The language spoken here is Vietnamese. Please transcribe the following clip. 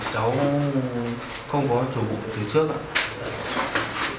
cháu không có chủ từ trước ạ